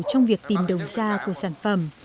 trong việc tìm đầu ra của sản phẩm